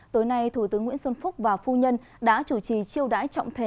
tối nay thủ tướng nguyễn xuân phúc và phu nhân đã chủ trì chiêu đãi trọng thể